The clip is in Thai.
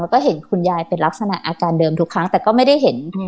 แล้วก็เห็นคุณยายเป็นลักษณะอาการเดิมทุกครั้งแต่ก็ไม่ได้เห็น